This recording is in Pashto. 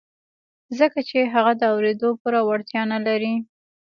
ځکه چې هغه د اورېدو پوره وړتيا نه لري.